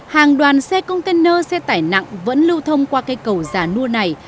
hàng đoàn xe container xe tải nặng vẫn lưu thông qua cây cầu giả nua này